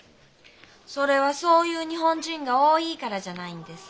それはそういう日本人が多いからじゃないんですか？